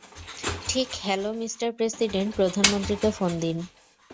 ঠিক hello, mister president, প্রধানমন্ত্রীকে phone দিন।